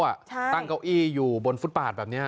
ตั้งที่โต๊ะตั้งเก้าอี้อยู่บนฟุตปาดแบบนี้